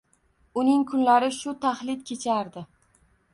Uning kunlari shu taxlit kechardi...